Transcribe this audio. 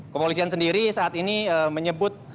kepolisian sendiri saat ini menyebut